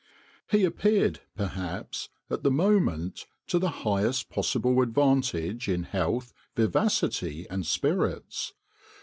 He appeared, perhaps, at the moment, to the highest possible advantage in health, vivacity, and spirits.